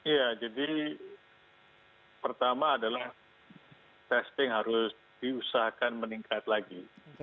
ya jadi pertama adalah testing harus diusahakan meningkat lagi